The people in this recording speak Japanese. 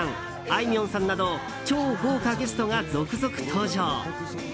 あいみょんさんなど超豪華ゲストが続々登場。